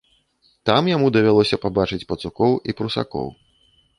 Там яму давялося пабачыць пацукоў і прусакоў.